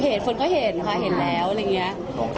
เห็นคนก็เห็นค่ะเห็นแล้วอะไรอย่างนี้